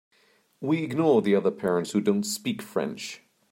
We ignore the other parents who don’t speak French.